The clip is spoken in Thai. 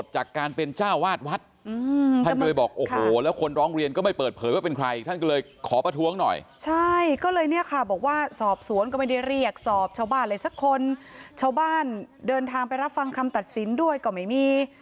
ชาวบ้านเดินทางไปรับฟังคำตัดสินด้วยก็ไม่มี